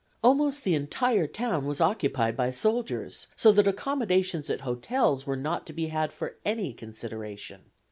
Almost the entire town was occupied by soldiers, so that accommodations at hotels were not to be had for any consideration.